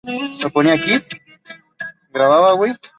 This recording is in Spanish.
Esta zona ha sido muy afectada por los incendios forestales.